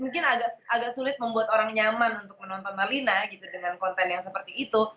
mungkin agak sulit membuat orang nyaman untuk menonton marlina gitu dengan konten yang seperti itu